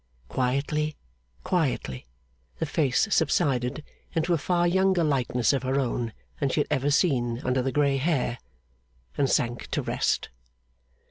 Quietly, quietly, the face subsided into a far younger likeness of her own than she had ever seen under the grey hair, and sank to rest.